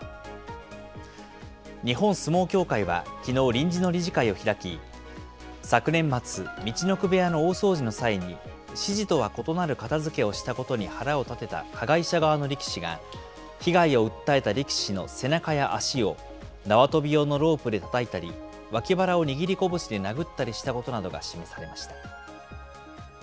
日本相撲協会はきのう、臨時の理事会を開き、昨年末、陸奥部屋の大掃除の際に、指示とは異なる片づけをしたことに腹を立てた加害者側の力士が被害を訴えた力士の背中や脚を縄跳び用のロープでたたいたり、脇腹を握りこぶしで殴ったことなどが示されました。